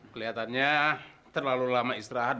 kelihatannya terlalu lama istirahat